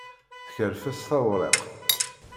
Teskerfeṣ tawriqt.